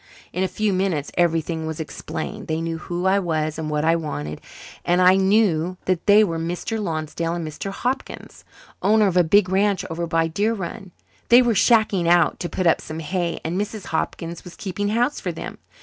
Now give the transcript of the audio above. In a few minutes everything was explained. They knew who I was and what I wanted, and I knew that they were Mr. Lonsdale and Mr. Hopkins, owners of a big ranch over by Deer Run. They were 'shacking out' to put up some hay and Mrs. Hopkins was keeping house for them.